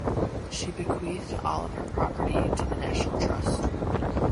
She bequeathed all of her property to the National Trust.